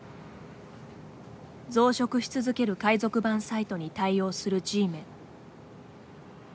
増殖し続ける海賊版サイトに対応するＧメン。